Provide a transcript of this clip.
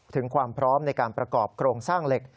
ถึงความพร้อมในการประกอบโครงสร้างเหล็ก